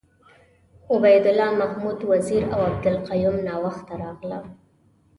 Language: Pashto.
عبید الله محمد وزیر اوعبدالقیوم ناوخته راغله .